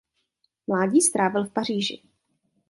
Mládí strávil v Paříži.